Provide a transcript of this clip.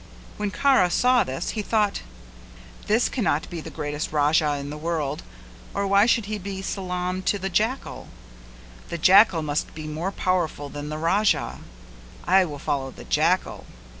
When Kara saw this he thought "This cannot be the greatest Raja in the world or why should he salaam to the jackal. The jackal must be more powerful than the Raja; I will follow the jackal."